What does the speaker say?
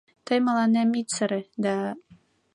Тый мыланем ит сыре да...